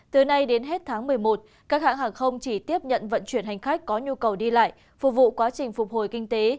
từ nay đến hết tháng một mươi một các hãng hàng không chỉ tiếp nhận vận chuyển hành khách có nhu cầu đi lại phục vụ quá trình phục hồi kinh tế